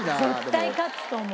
絶対勝つと思う。